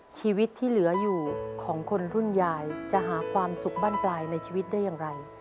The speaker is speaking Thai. ชีวิตที่เหลืออยู่ของคนรุ่นยายจะหาความสุขบ้านปลายในชีวิตได้อย่างไร